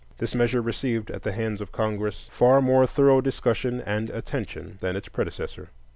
This measure received, at the hands of Congress, far more thorough discussion and attention than its predecessor.